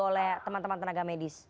oleh teman teman tenaga medis